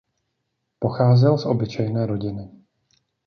Pocházel z obyčejné rodiny.